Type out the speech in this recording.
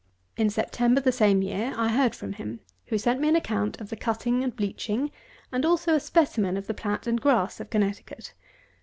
In September, the same year, I heard from him, who sent me an account of the cutting and bleaching, and also a specimen of the plat and grass of Connecticut.